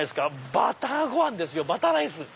バターご飯ですよバターライス！